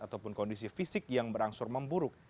ataupun kondisi fisik yang berangsur memburuk